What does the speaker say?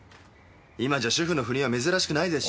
今じゃ主婦の不倫は珍しくないですし。